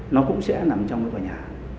nó cũng sẽ nằm trong cái tòa nhà